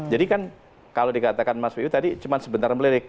jadi kan kalau dikatakan mas wid tadi cuma sebentar melirik